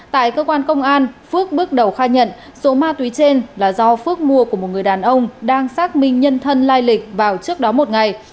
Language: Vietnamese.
tại cơ quan công an phước bước đầu khai nhận số ma túy trên là do phước mua của một người đàn ông đang xác minh nhân thân lai lịch vào trước đó một ngày